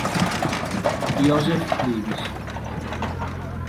Joseph Levis